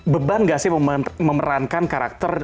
beban gak sih memerankan karakter